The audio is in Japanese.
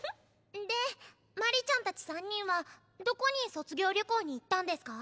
で鞠莉ちゃんたち３人はどこに卒業旅行に行ったんですか？